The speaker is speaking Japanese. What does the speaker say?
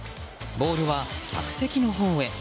ボールは客席のほうへ。